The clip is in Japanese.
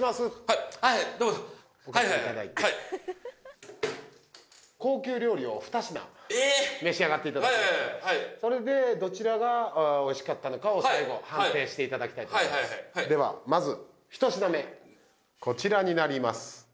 はいどうぞはいはいはいはいはい高級料理を２品召し上がっていただきますそれでどちらがおいしかったのかを最後判定していただきたいと思いますではまず１品目こちらになります